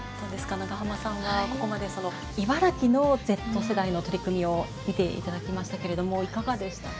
長濱さんはここまで茨城のＺ世代の取り組みを見ていただきましたけれどもいかがでしたか？